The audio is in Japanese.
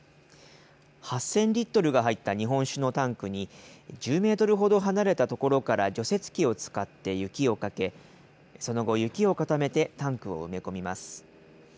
８０００リットルが入った日本酒のタンクに１０メートルほど離れた所から除雪機を使って雪をかけ、その後、雪を固めてタンクを埋め込みます。